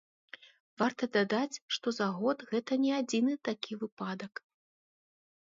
Варта дадаць, што за год гэта не адзіны такі выпадак.